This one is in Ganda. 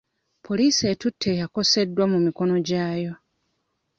Poliisi etutte eyakoseddwa mu mikono gyayo.